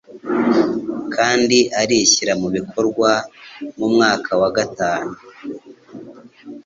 kandi arishyira mu bikorwa mu mwaka wa gatanu .